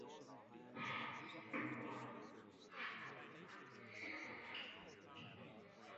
The Edmonds-Gallai decomposition theorem describes finite graphs from the point of view of matchings.